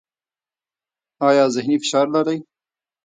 ایا ذهني فشار لرئ؟